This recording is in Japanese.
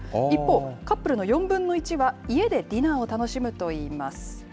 一方、カップルの４分の１は家でディナーを楽しむといいます。